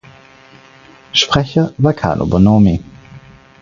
Sprecher war Carlo Bonomi.